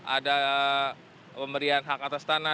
ada pemberian hak atas tanah